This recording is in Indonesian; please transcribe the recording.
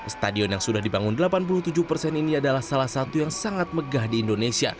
stadion yang sudah dibangun delapan puluh tujuh persen ini adalah salah satu yang sangat megah di indonesia